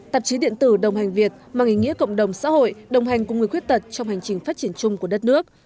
tạp chí điện tử đồng hành việt mang ý nghĩa cộng đồng xã hội đồng hành cùng người khuyết tật trong hành trình phát triển chung của đất nước